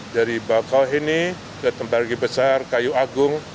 dari bakal ini kembawan baik besar kayu agung